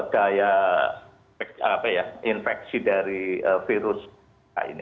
daya infeksi dari virus ini